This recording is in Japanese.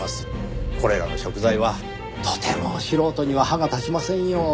これらの食材はとても素人には歯が立ちませんよ。